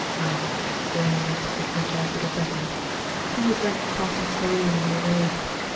Ah, grave, dignified little Betty! Who was that passing slowly along the road?